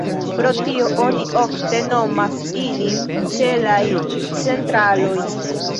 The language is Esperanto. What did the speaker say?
Pro tio, oni ofte nomas ilin ĉelaj "centraloj".